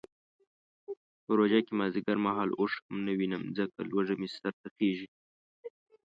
په روژه کې مازدیګر مهال اوښ هم نه وینم ځکه لوږه مې سرته خیژي.